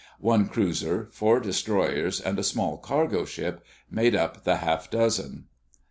One cruiser, four destroyers and a small cargo ship made up the half dozen.